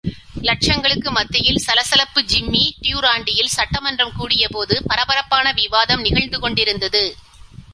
லட்சங்களுக்கு மத்தியில் சலசலப்பு ஜிம்மி டியூராண்டியில் சட்ட மன்றம் கூடிய போது, பரபரப்பான விவாதம் நிகழ்ந்து கொண்டிருந்தது.